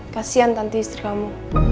kasian tanti istri kamu